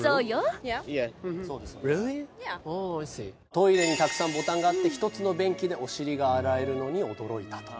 トイレにたくさんボタンがあって１つの便器でお尻が洗えるのに驚いたと。